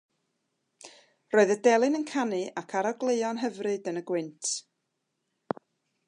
Roedd y delyn yn canu ac arogleuon hyfryd yn y gwynt.